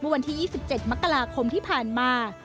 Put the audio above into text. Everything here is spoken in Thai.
เมื่อวันที่๒๗มที่ผ่านมา